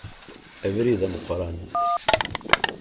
Abrid ameqqran.